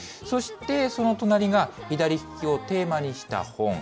そして、その隣が左利きをテーマにした本。